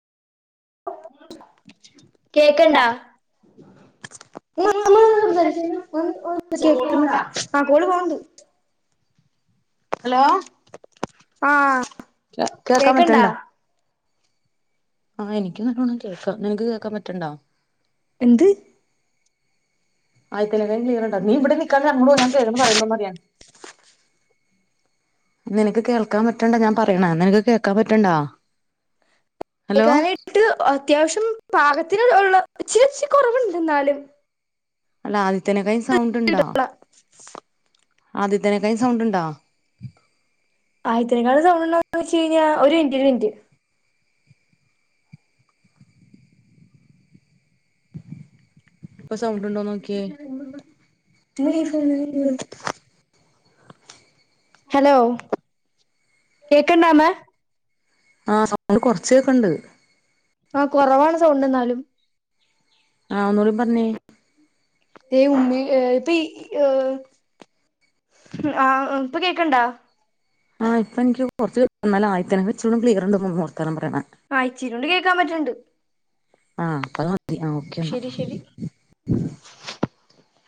[inaudible] hello കേക്കാൻ പറ്റൺണ്ടാ ആ എനിക്ക്‌ നല്ലോണം കേക്കാ നിനക്ക് കേകാം പറ്റ്ണ്ടോ എന്ത് ആയിത്തനെ വെ ക്ലിയറണ്ട നീ ഇവിടെ നിക്കാണ്ട് അങ്ങോട്ട് പോ ഞാൻ കെക്ന്ന് പറയുമ്പൊ മതി നിനക്ക് കേൾക്കാൻ പറ്റൺണ്ടാ ഞാൻ പറയണേ നിനക്ക് കേക്കാൻ പറ്റൺണ്ടാ കേക്കാനായിട്ട് അത്യാവശ്യം പാകത്തിന് ള്ള ഇച്ചിരി ഇച്ചിരി കുറവുണ്ട്ന്നാലും അല്ല ആദ്യത്തതിനേക്കായി ഇടള ആദ്യത്തതിനേക്കായി സൗണ്ടുണ്ടോ ആയിത്തിനേക്കാളും സൗണ്ടുണ്ടോന്ന് ചോദിച്ച് കഴിഞ്ഞാ ഒരു മിനിറ്റ് ഒരു മിനിറ്റ് ഹലോ കേക്കണ്ടാമ്മേ ആ സൗണ്ട് കൊർച്ച് കേക്ണ്ട് ആ കുറവാണ് സൗണ്ട് ന്നാലും ആ ഒന്നൂടി പറഞ്ഞേ ദേ ഉമ്മി ഏ പി യോ ആ ഇപ്പൊ കേക്ക്ണ്ടാ ആ ഇപ്പം എൻക്ക് കൊർച്ച് എന്നാലും ആയിത്തേനെക്കാ ഇച്ചിരിയൂടെ ക്ലിയർ ഇണ്ടന്ന് [unintelligible] വർത്താനം പറ ആ ഇച്ചിരിയൂണ്ടി കേക്കാൻ പറ്റ്ണ്ട് പ ആ ഓക്കെ അന്നാ